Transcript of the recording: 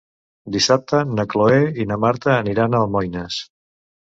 Dissabte na Cloè i na Marta aniran a Almoines.